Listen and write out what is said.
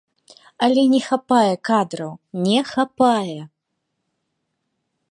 Але не хапае кадраў, не хапае.